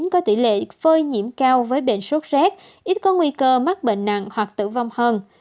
có tỷ lệ phơi nhiễm cao với bệnh sốt rét ít có nguy cơ mắc bệnh nặng hoặc tử vong hơn